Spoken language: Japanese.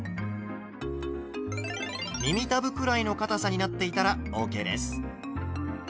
耳たぶくらいのかたさになっていたらＯＫです。